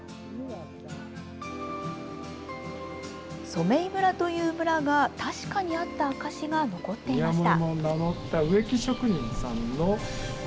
染井村という村が確かにあった証しが残っていました。